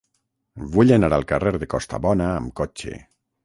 Vull anar al carrer de Costabona amb cotxe.